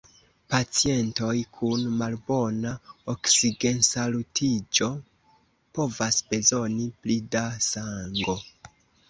Pacientoj kun malbona oksigensaturiĝo povas bezoni pli da sango.